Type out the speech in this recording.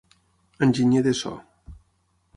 Enginyer de so: